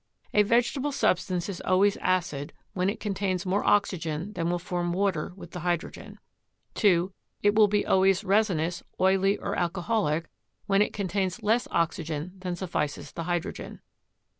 A vegetable substance is always acid when it contains more oxygen than will form water with the hydrogen. 2. It will be always resinous, oily, or alcoholic when it contains less oxygen than suffices the hydrogen.